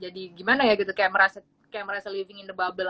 jadi gimana ya gitu kayak merasa living in the bubble gitu